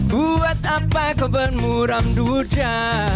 buat apa kau bermuram duca